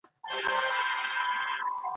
نه هغه مستي کوڅې وي نه پایکوب وي د مستانو